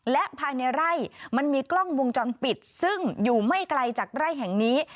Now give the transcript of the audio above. และภายในไร่มันมีกล้องวงจรปิดซึ่งอยู่ไม่ไกลจากไร่แห่งนี้